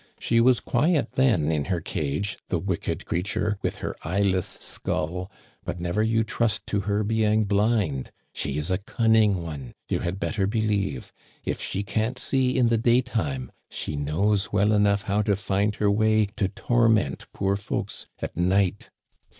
She was quiet then in her cage, the wicked creature, with her eyeless skull. But never you trust to her being blind. She is a cunning one, you had better believe! If she can't see in the daytime, she knows well enough how to find her way to torment poor folks at night.